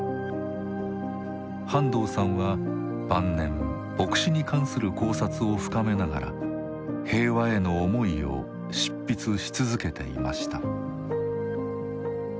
半藤さんは晩年墨子に関する考察を深めながら平和への思いを執筆し続けていました。